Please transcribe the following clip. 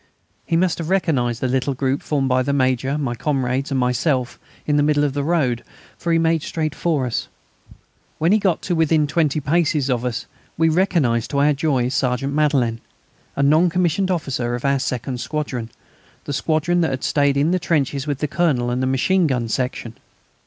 He must have recognised the little group formed by the Major, my comrades, and myself in the middle of the road, for he made straight for us. When he got to within twenty paces of us we recognised to our joy Sergeant Madelin, a non commissioned officer of our second squadron, the squadron that had stayed in the trenches with the Colonel and the machine gun section.